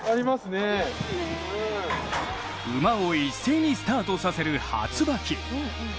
馬を一斉にスタートさせる発馬機。